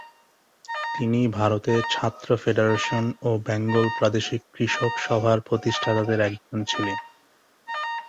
তিনি ভারতের ছাত্র ফেডারেশন ও বেঙ্গল প্রাদেশিক কৃষক সভার প্রতিষ্ঠাতাদের একজন ছিলেন।